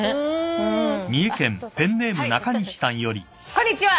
「こんにちは。